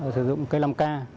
sử dụng cây năm k